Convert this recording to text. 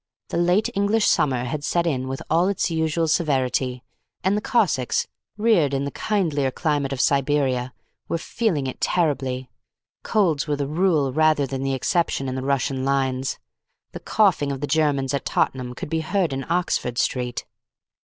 The late English summer had set in with all its usual severity, and the Cossacks, reared in the kindlier climate of Siberia, were feeling it terribly. Colds were the rule rather than the exception in the Russian lines. The coughing of the Germans at Tottenham could be heard in Oxford Street.